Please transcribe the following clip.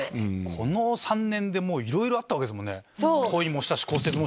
この３年でいろいろあったわけですもんね。